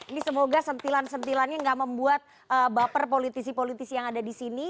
ini semoga sentilan sentilannya gak membuat baper politisi politisi yang ada di sini